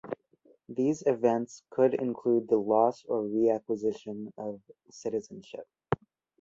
These events could include the loss or reacquisition of citizenship.